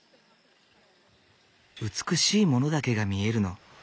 「美しいものだけが見えるの」。